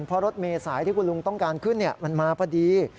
เพราะรถเมษายที่คุณลุงต้องการขึ้นมันมาพอดี